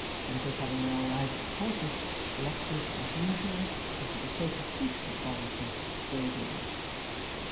Matters having now arrived at a crisis, the locksmith, as usual, and for the sake of peace and quietness, gave in.